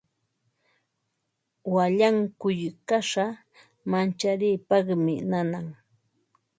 Wallankuy kasha mancharipaqmi nanan.